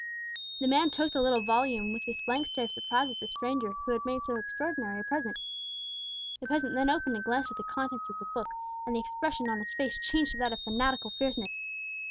The man took the little volume with a blank stare of surprise at the stranger who had made so extraordinary a present. The peasant then opened and glanced at the contents of the book, and the expression on his face changed to that of fanatical fierceness.